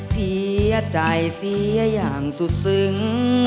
เสียใจเสียอย่างสุดซึ้ง